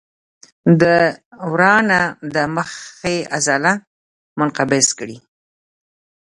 د ورانه د مخې عضله منقبض کېږي.